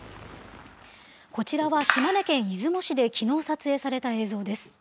こちらは島根県出雲市できのう撮影された映像です。